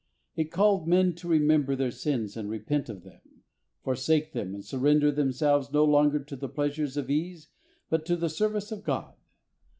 It called men to remember their sins and repent of them, forsake them, and sur render themselves no longer to the pleasures of ease, but to the service of God.